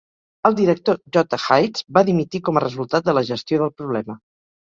El director, J. Hydes, va dimitir com a resultat de la gestió del problema.